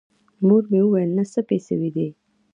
مور مې وويل نه څه پې سوي دي.